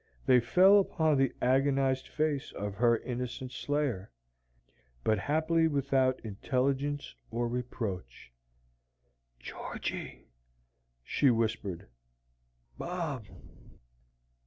They fell upon the agonized face of her innocent slayer, but haply without intelligence or reproach. "Georgy!" she whispered. "Bob!"